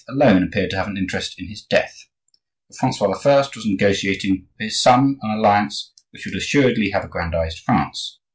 alone appeared to have an interest in his death, for Francois I. was negotiating for his son an alliance which would assuredly have aggrandized France.